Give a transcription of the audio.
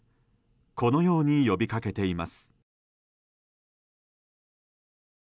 このように呼びかけています。